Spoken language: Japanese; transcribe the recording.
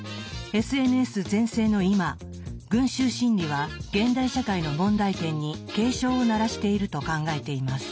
ＳＮＳ全盛の今「群衆心理」は現代社会の問題点に警鐘を鳴らしていると考えています。